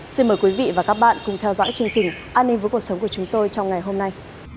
xin mời quý vị và các bạn cùng theo dõi chương trình an ninh với cuộc sống của chúng tôi trong ngày hôm nay